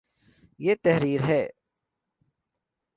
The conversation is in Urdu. یہ تحریر ہے